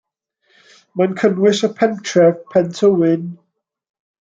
Mae'n cynnwys y pentref Pentywyn.